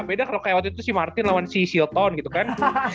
beda kalo kewet itu si martin lawan si shilton gitu kan